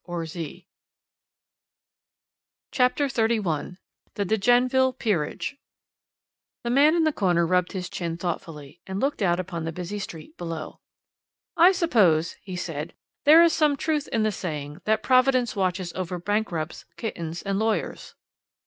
CHAPTER XXXI THE DE GENNEVILLE PEERAGE The man in the corner rubbed his chin thoughtfully, and looked out upon the busy street below. "I suppose," he said, "there is some truth in the saying that Providence watches over bankrupts, kittens, and lawyers."